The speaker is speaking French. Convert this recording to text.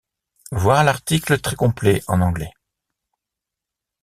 Voir l'article très complet en anglais.